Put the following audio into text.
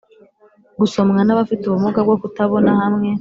gusomwa n abafite ubumuga bwo kutabona hamwe